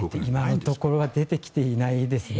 今のところは出てきてないですね。